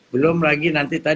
belum lagi nanti tadi